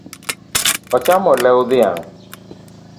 Ochamo lew dhiang’